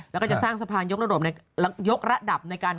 แล้วคนจะสร้างสะพานยกระดบในการ